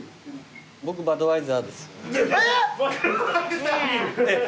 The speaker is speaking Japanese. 僕バドワイザーです。ねぇ！